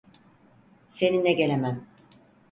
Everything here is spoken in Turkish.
Seninle gelemem.